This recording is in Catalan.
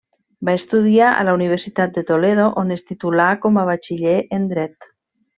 Va estudiar a la universitat de Toledo, on es titulà com a batxiller en Dret.